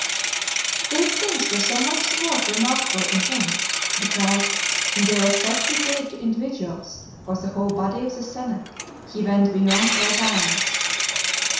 XXIX. These things were so much the more remarkable in him, because, in the respect he paid to individuals, or the whole body of the senate, he went beyond all bounds.